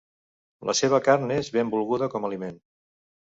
La seva carn és benvolguda com aliment.